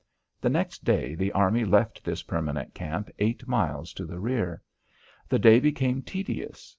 The next day the army left this permanent camp eight miles to the rear. The day became tedious.